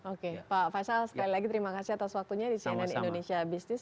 oke pak faisal sekali lagi terima kasih atas waktunya di cnn indonesia business